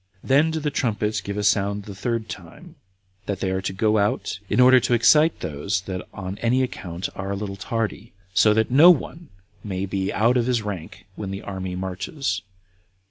Then do the trumpets give a sound the third time, that they are to go out, in order to excite those that on any account are a little tardy, that so no one may be out of his rank when the army marches.